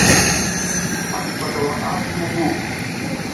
A kifa ka waʼa ti muƞgu.